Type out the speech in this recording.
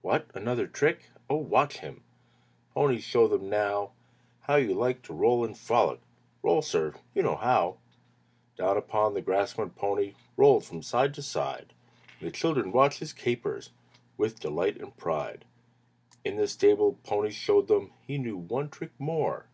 "What! Another trick! Oh, watch him!" "Pony, show them now How you like to roll and frolic; Roll, sir! You know how!" Down upon the grass went pony, Rolled from side to side. And the children watched his capers With delight and pride. In the stable pony showed them He knew one trick more.